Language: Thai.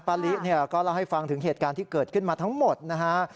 ลิเนี่ยก็เล่าให้ฟังถึงเหตุการณ์ที่เกิดขึ้นมาทั้งหมดนะฮะ